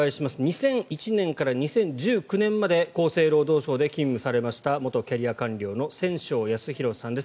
２００１年から２０１９年まで厚生労働省で勤務されました元キャリア官僚の千正康裕さんです。